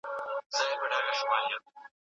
دود او رواج هم په ټولنه کې زور لري.